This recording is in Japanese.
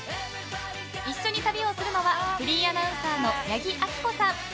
一緒に旅をするのはフリーアナウンサーの八木亜希子さん。